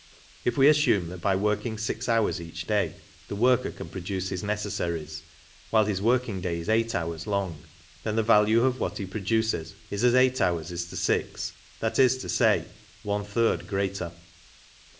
If we assume that by working six hours each day the worker can produce his necessaries, while his working day is eight hours long, then the value of what he produces is as eight hours is to six, is, that is to say, one third greater.